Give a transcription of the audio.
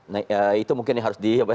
nah itu mungkin yang harus dikupas lebih baik